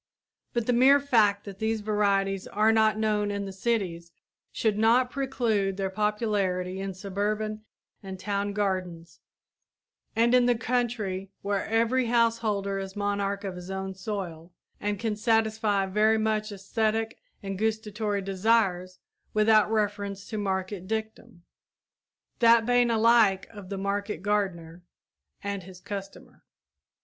But the mere fact that these varieties are not known in the cities should not preclude their popularity in suburban and town gardens and in the country, where every householder is monarch of his own soil and can satisfy very many æsthetic and gustatory desires without reference to market dictum, that bane alike of the market gardener and his customer.